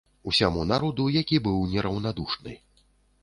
Усяму народу, які быў нераўнадушны.